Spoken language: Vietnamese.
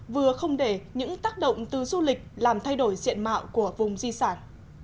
vừa không để những tác động từ du lịch làm thay đổi diện mạo của vùng di sản